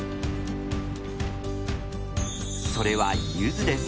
それは「ゆず」です。